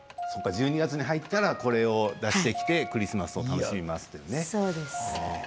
１２月に入ったらこれを出してきてクリスマスを楽しみますと。